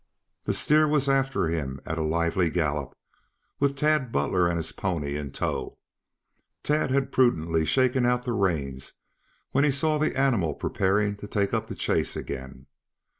The steer was after him at a lively gallop, with Tad Butler and his pony in tow. Tad had prudently shaken out the reins when he saw the animal preparing to take up the chase again.